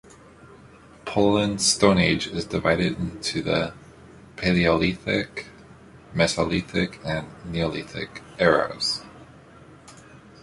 Poland's Stone Age is divided into the Paleolithic, Mesolithic and Neolithic eras.